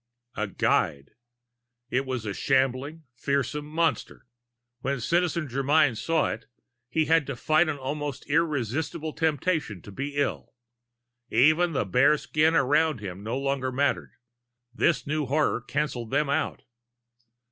A guide! It was a shambling, fearsome monster! When Citizen Germyn saw it, he had to fight an almost irresistible temptation to be ill. Even the bare skins about him no longer mattered; this new horror canceled them out.